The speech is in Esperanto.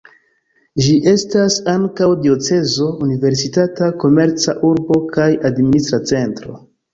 Ĝi estas ankaŭ diocezo, universitata, komerca urbo kaj administra centro.